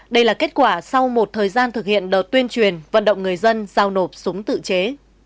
đây là kết quả sau một thời gian thực hiện đợt tuyên truyền vận động người dân giao nộp súng tự chế